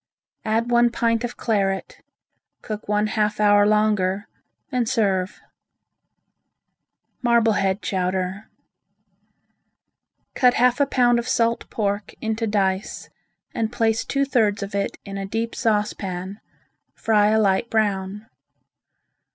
Add one pint of claret, cook one half hour longer and serve. Marblehead Chowder Cut half a pound of salt pork into dice and place two thirds of it in a deep saucepan; fry a light brown.